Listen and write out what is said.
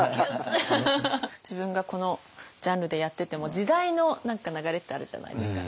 自分がこのジャンルでやってても時代の流れってあるじゃないですか。